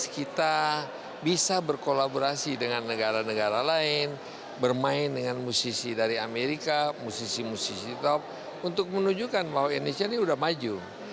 kita harus memperlihatkan musisi dari amerika musisi musisi top untuk menunjukkan bahwa indonesia ini sudah maju